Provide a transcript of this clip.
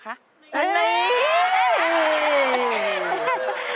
แม่ชอบอัลบั้มไหนมากที่สุด